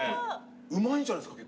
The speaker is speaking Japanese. うまいんじゃないっすか？